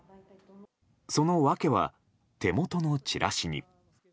その訳は、手元のチラシに。